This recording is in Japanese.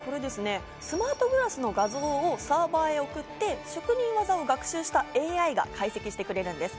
これですね、スマートグラスの画像をサーバーへ送って、職人技を学習したＡＩが解析してくれるんです。